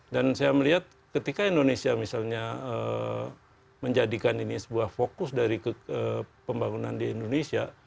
dan saya melihat ketika indonesia misalnya menjadikan ini sebuah fokus dari pembangunan di indonesia